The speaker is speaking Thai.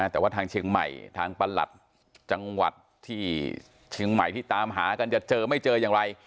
แต่ว่าทางเชียงใหม่ทางประหลัดจังหวัดที่เชียงใหม่ที่ตามหากันจะเจอไม่เจออย่างไร